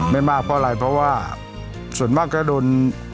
ไม่มากเพราะอะไรเพราะว่าส่วนมากก็โดน